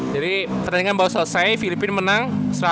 jadi pertandingan baru selesai filipina menang satu ratus sembilan puluh tujuh